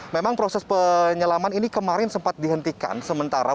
memang proses penyelaman ini kemarin sempat dihentikan sementara